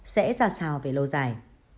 sẽ ra sao về lâu dài